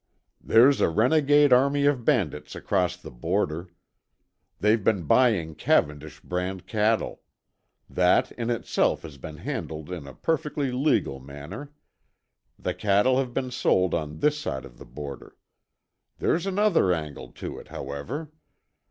"There's a renegade army of bandits across the border. They've been buying Cavendish brand cattle. That in itself has been handled in a perfectly legal manner. The cattle have been sold on this side of the border. There's another angle to it, however.